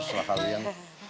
udah setelah kalian